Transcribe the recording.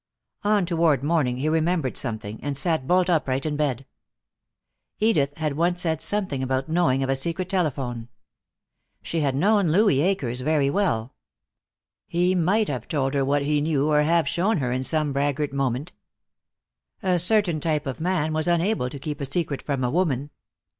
On toward morning he remembered something, and sat bolt upright in bed. Edith had once said something about knowing of a secret telephone. She had known Louis Akers very well. He might have told her what she knew, or have shown her, in some braggart moment. A certain type of man was unable to keep a secret from a woman.